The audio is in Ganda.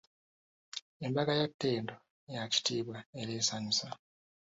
"Embaga ya ttendo, ya kitiibwa era esanyusa."